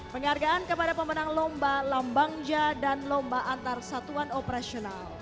penghargaan kepada pemenang lomba lambangja dan lomba antarsatuan operasional